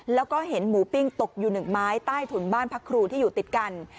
แล้วก็เห็นหมูปิ้งตกอยู่หนึ่งไม้ใต้ถุนบ้านพักครูที่อยู่ติดกัน